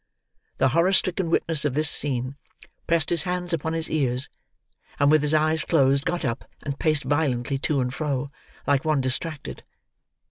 The horror stricken witness of this scene pressed his hands upon his ears, and with his eyes closed got up and paced violently to and fro, like one distracted.